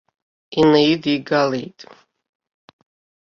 Инаидигалт.